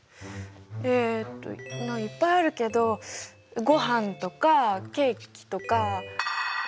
えっといっぱいあるけどごはんとかケーキとか。